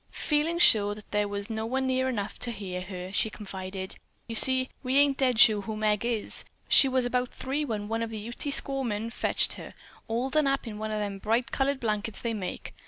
Feeling sure that there was no one near enough to hear her, she confided: "You see, we ain't dead sure who Meg is. She was about three when one of the Ute squaw women fetched her, all done up in one of them bright colored blankets they make.